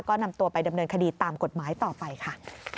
ก็นำตัวไปดำเนินคดีตามกฎหมายต่อไปค่ะ